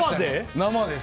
生で？